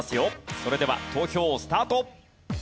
それでは投票スタート。